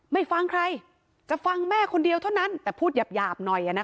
ไม่ฟังใครจะฟังแม่คนเดียวเท่านั้นแต่พูดหยาบหน่อย